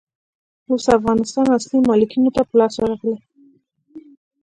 اوس افغانستان اصلي مالکينو ته په لاس ورغلئ.